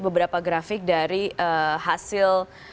beberapa grafik dari hasil